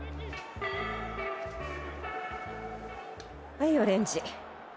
はいオレンジ。